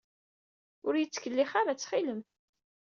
Ur iyi-ttkellix ara, ttxil-m.